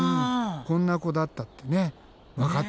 こんな子だったってわかったんだね。